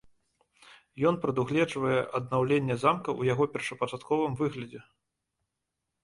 Ён прадугледжвае аднаўленне замка ў яго першапачатковым выглядзе.